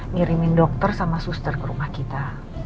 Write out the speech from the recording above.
ngirimin dokter sama suster ke rumah kita